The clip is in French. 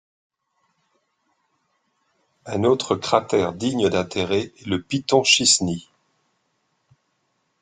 Un autre cratère digne d'intérêt est le piton Chisny.